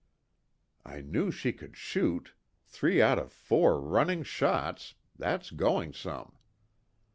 I knew she could shoot three out of four, running shots that's going some!"